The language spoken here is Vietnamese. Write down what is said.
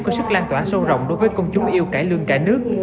có sức lan tỏa sâu rộng đối với công chúng yêu cải lương cả nước